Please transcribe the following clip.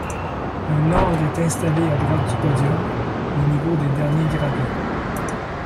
Un orgue est installé à droite du podium, au niveau des derniers gradins.